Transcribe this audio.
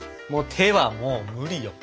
手はもう無理よ。